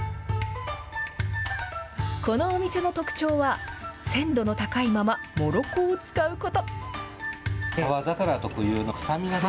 このお店の特徴は、鮮度の高いまま、もろこを使うこと。